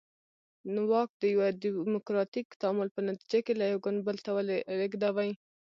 واک د یوه ډیموکراتیک تعامل په نتیجه کې له یو ګوند بل ته ولېږدوي.